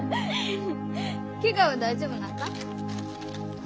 ケガは大丈夫なんか？